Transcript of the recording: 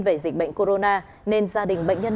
về dịch bệnh corona nên gia đình bệnh nhân